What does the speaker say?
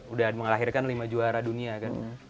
udah melahirkan lima juara dunia kan